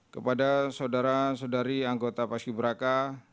kepada saudara saudari anggota paski beraka